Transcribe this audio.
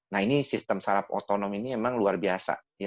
nah ini sistem sarap otonom ini memang luar biasa